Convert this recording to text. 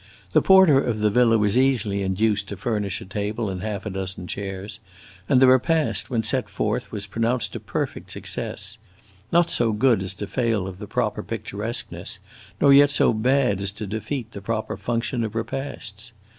The porter of the villa was easily induced to furnish a table and half a dozen chairs, and the repast, when set forth, was pronounced a perfect success; not so good as to fail of the proper picturesqueness, nor yet so bad as to defeat the proper function of repasts.